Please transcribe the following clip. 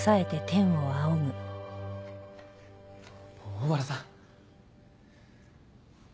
小原さん。